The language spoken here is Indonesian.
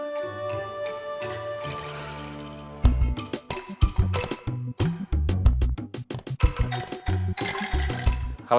tidak ada apa apa